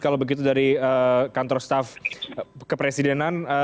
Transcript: kalau begitu dari kantor staf kepresidenan